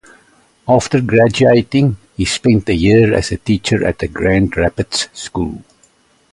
After graduating, he spent a year as a teacher at a Grand Rapids school.